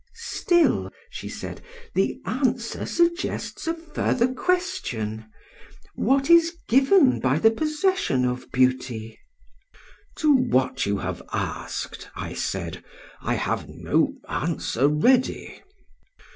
"'Still,' she said, 'the answer suggests a further question: What is given by the possession of beauty?' "'To what you have asked,' I said, 'I have no answer ready.'